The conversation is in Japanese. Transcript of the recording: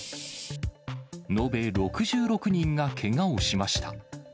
延べ６６人がけがをしました。